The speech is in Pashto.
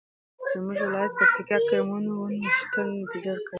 زمونږ ولایت پکتیکا کې مڼو ونو ښه نتیجه ورکړې ده